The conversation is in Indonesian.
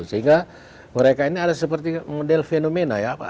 sehingga mereka ini ada seperti model fenomena ya